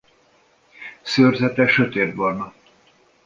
Szőrzete sötétbarna.